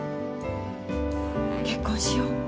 結婚しよう。